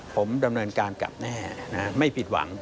ผมดำเนินการกลับแน่ไม่ผิดหวัง